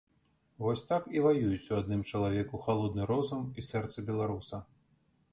Вось так і ваююць у адным чалавеку халодны розум і сэрца беларуса.